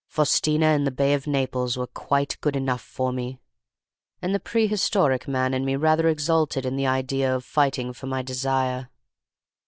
Faustina and the Bay of Naples were quite good enough for me. And the prehistoric man in me rather exulted in the idea of fighting for my desire.